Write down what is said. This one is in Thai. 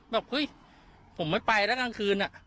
บอกฮึ้ยผมไม่ไปแล้วทั้งคืนอ่ะ